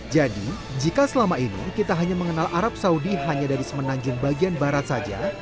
jadi jika selama ini kita hanya mengenal arab saudi hanya dari semenanjung bagian barat saja